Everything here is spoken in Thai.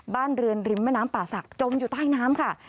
บ้านเรือนริมแม่น้ำป่าศักดิ์จมอยู่ใต้น้ำค่ะ